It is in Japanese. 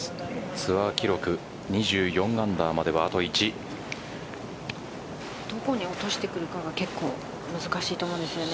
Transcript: ツアー記録２４アンダーまではどこに落としてくるかが結構難しいと思うんですよね。